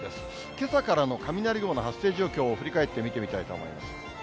けさからの雷雲の発生状況を振り返って見てみたいと思います。